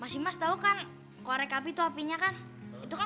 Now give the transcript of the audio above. mas dimas gimana lu tadi pernah mengulangi ego lo